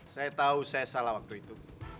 saya tahu saya salah waktu itu